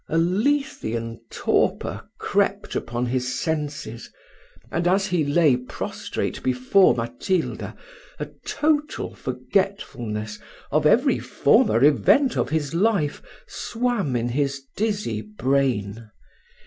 A Lethean torpor crept upon his senses; and, as he lay prostrate before Matilda, a total forgetfulness of every former event of his life swam in his dizzy brain.